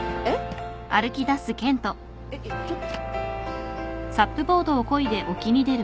えっちょっと。